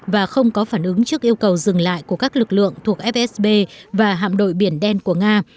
và không có phản ứng trước yêu cầu dừng lại của các lực lượng thuộc fsb và hạm đội biển đen của nga